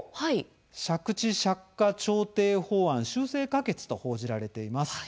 「借地借家調停法案修正可決」と報じられています。